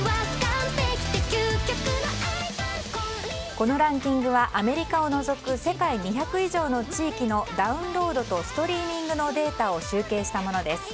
このランキングはアメリカを除く世界２００以上の地域のダウンロードとストリーミングのデータを集計したものです。